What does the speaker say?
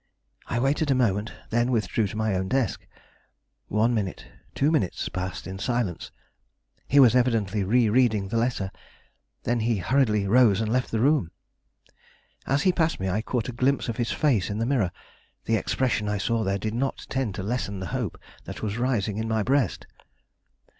I waited a moment, then withdrew to my own desk. One minute, two minutes passed in silence; he was evidently rereading the letter; then he hurriedly rose and left the room. As he passed me I caught a glimpse of his face in the mirror. The expression I saw there did not tend to lessen the hope that was rising in my breast.